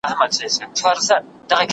آيا نارينه د ښځو په پرتله زيات زغم لري؟